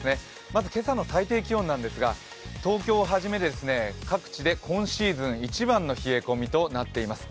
まずけさの最低気温なんですが、東京をはじめ各地で今シーズン一番の冷え込みとなっています。